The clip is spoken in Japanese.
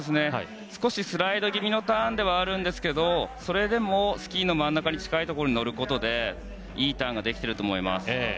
少しスライド気味のターンではあるんですがそれでもスキーの真ん中に近いところに乗ることでいいターンができていると思います。